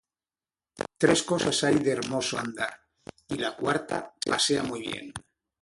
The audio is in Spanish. Tres cosas hay de hermoso andar, Y la cuarta pasea muy bien: